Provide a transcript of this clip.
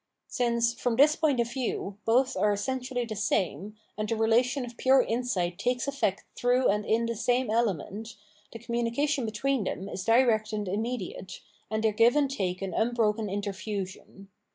Since, from this point of view, both are essentially the same, and the relation of pure insight takes efiect through and in the same element, the communication between them is direct and immediate, and their give and take an unbroken interfusion.